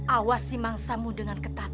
awak si mangsamu dengan ketat